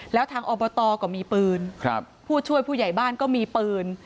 แล้วทางอบตก็มีปืนผู้ช่วยผู้ใหญ่บ้านก็มีปืน